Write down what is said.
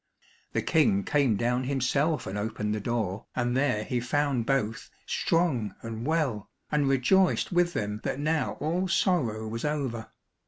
The King came down himself and opened the door, and there he found both strong and well, and rejoiced with them that now all sorrow was over.